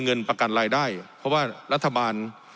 เงินประกันรายได้เพราะว่ารัฐบาล